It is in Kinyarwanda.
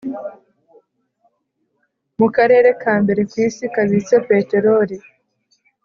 mu karere ka mbere ku isi kabitse peterori.